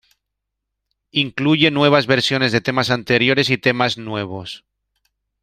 Incluye nuevas versiones de temas anteriores y temas nuevos.